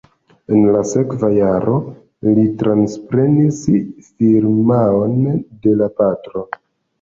En la sekva jaro li transprenis firmaon de la patro.